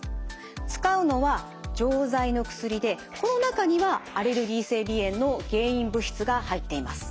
使うのは錠剤の薬でこの中にはアレルギー性鼻炎の原因物質が入っています。